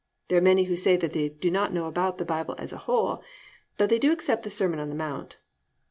There are many who say they do not know about the Bible as a whole, but they do accept the Sermon on the Mount.